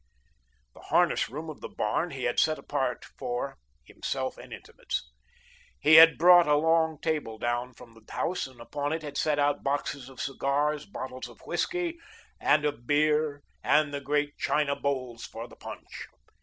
The harness room of the barn he had set apart for: himself and intimates. He had brought a long table down from the house and upon it had set out boxes of cigars, bottles of whiskey and of beer and the great china bowls for the punch.